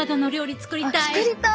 作りたい！